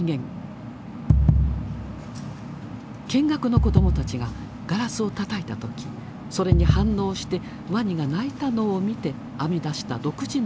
見学の子どもたちがガラスをたたいた時それに反応してワニが鳴いたのを見て編み出した独自の技だ。